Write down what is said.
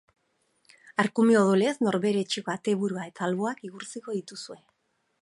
Arkume odolez nork bere etxeko ateburua eta alboak igurtziko dituzue.